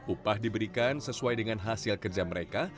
upah diberikan sesuai dengan hasil kerja mereka